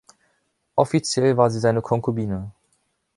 Offiziell war sie seine Konkubine.